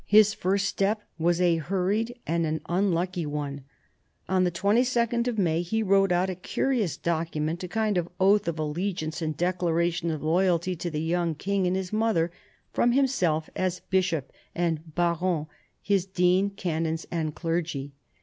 His first step was a hurried and an unlucky one. On the 22nd of May he wrote out a curious document, a kind of oath of allegiance and declaration of loyalty to the young King and his mother, from himself as Bishop and Baron, his dean, canons, and clergy.